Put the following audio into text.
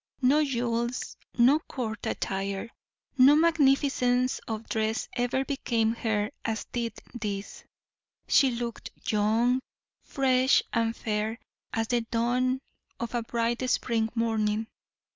No jewels, no court attire, no magnificence of dress ever became her as did this; she looked young, fresh, and fair as the dawn of a bright spring morning.